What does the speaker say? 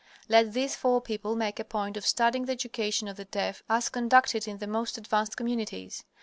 Let these four people make a point of studying the education of the deaf as conducted in the most advanced communities.